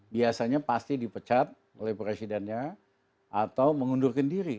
biasanya pasti dipecat oleh presidennya atau mengundurkan diri